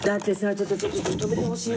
ちょっとちょっと止めてほしい。